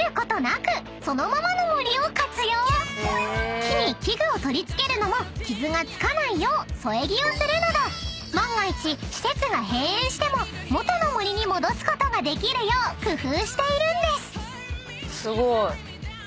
［木に器具を取り付けるのも傷が付かないよう添え木をするなど万が一施設が閉園しても元の森に戻すことができるよう工夫しているんです］